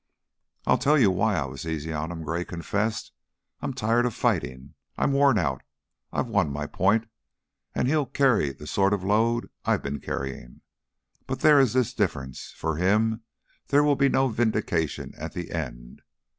"I'll tell you why I was easy on him," Gray confessed. "I'm tired of fighting; I'm worn out. I've won my point, and he'll carry the sort of load I've been carrying. But there is this difference: for him there will be no vindication at the end."